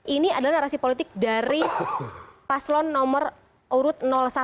ini adalah narasi politik dari paslon nomor urut satu